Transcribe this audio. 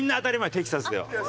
テキサスでは。